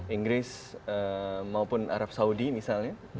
inggris maupun arab saudi misalnya